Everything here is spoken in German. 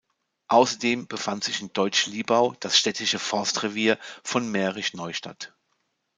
Außerdem befand sich in Deutsch Liebau das städtische Forstrevier von Mährisch Neustadt.